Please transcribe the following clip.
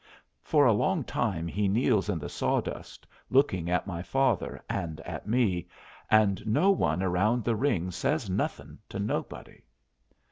For a long time he kneels in the sawdust, looking at my father and at me, and no one around the ring says nothing to nobody.